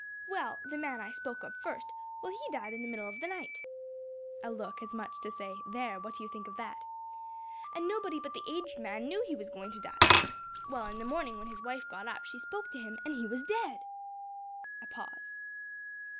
Well, the man I spoke of first, well, he died in the middle of the night." (A look as much as to say, "There! what do you think of that?"); "an' nobody but the aged man knew he was going to die. Well, in the morning, when his wife got up, she spoke to him, and he was dead!" (_A pause.